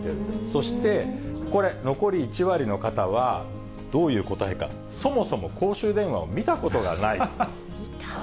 そして、これ、残り１割の方はどういう答えか、そもそも公衆電話を見たことがない。